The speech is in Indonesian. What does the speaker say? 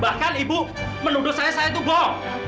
bahkan ibu menuduh saya saya itu bohong